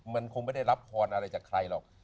มันคงไม่ได้รับพรอะไรจากใครหรอก